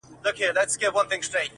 بلبلو باندي اوري آفتونه لکه غشي!.